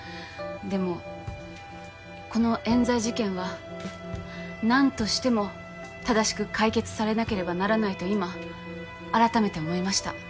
でもこのえん罪事件は何としても正しく解決されなければならないと今改めて思いました。